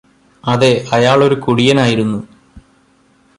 അതെ അയാളൊരു കുടിയനായിരുന്നു